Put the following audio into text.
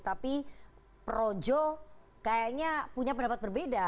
tapi projo kayaknya punya pendapat berbeda